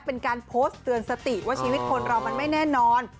เป็นการโพสต์เตือนสติว่าชีวิตคนเรามันไม่แน่นอน